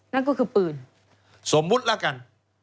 นั่นก็คือปืน